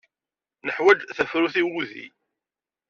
Neḥwaj tafrut i wudi.